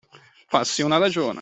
Farsi una ragione.